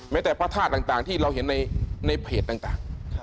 แต่พระธาตุต่างที่เราเห็นในเพจต่าง